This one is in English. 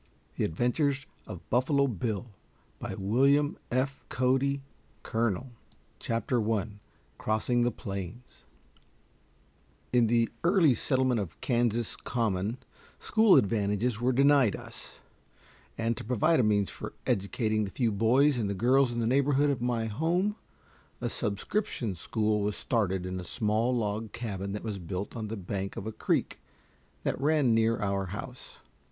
THE ADVENTURES OF BUFFALO BILL I CROSSING THE PLAINS In the early settlement of Kansas common school advantages were denied us, and to provide a means for educating the few boys and girls in the neighborhood of my home, a subscription school was started in a small log cabin that was built on the bank of a creek that ran near our house.